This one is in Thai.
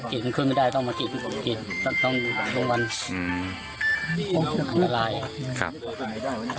ขึ้นไม่ได้ต้องมากินต้องระวังอันตรายนะครับ